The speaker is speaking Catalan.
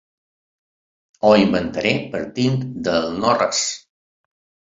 Ho inventaré partint del no-res.